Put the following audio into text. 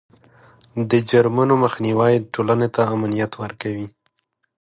د جرمونو مخنیوی ټولنې ته امنیت ورکوي.